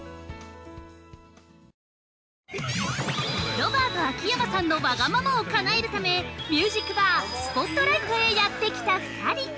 ◆ロバート秋山さんのわがままをかなえるためミュージックバースポットライトへやってきた２人。